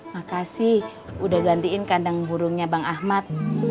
makasih udah gantiin kandang burungnya bang ahmad